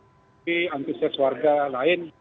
jadi antisas warga lain